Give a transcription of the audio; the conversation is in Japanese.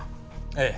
ええ。